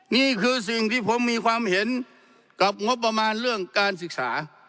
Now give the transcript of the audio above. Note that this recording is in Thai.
นี่คือสิ่งที่ผมมีความเห็นกับงบประมาณเรื่องการศึกษา